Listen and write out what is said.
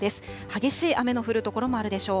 激しい雨の降る所もあるでしょう。